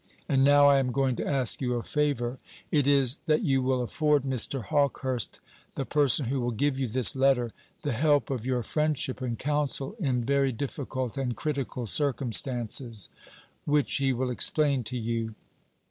And now I am going to ask you a favour. It is, that you will afford Mr. Hawkehurst, the person who will give you this letter, the help of your friendship and counsel in very difficult and critical circumstances, which he will explain to you.